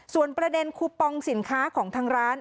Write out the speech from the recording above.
ส่วนประเด็นคูปองสินค้าของทางร้าน